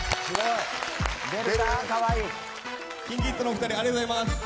ＫｉｎＫｉＫｉｄｓのお二人ありがとうございます。